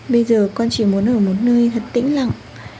bây giờ con chỉ muốn ở một nơi thật tĩnh lặng